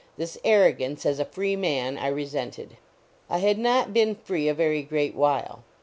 This arrogance, as a free man, I resented. I had not been free a very great while.